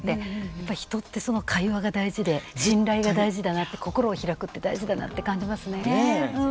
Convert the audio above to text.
やっぱ人って会話が大事で信頼が大事だなって心を開くって大事だなって感じますね。